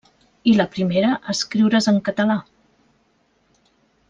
I la primera a escriure's en català.